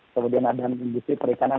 kemudian ada industri perikanan